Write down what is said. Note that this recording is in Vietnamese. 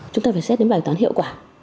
chúng ta phải xét đến bài toán hiệu quả